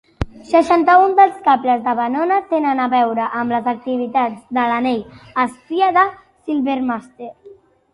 Seixanta-un dels cables de Venona tenen a veure amb les activitats de l'anell espia de Silvermaster.